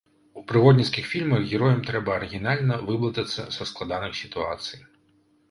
У прыгодніцкіх фільмах героям трэба арыгінальна выблытацца са складаных сітуацый.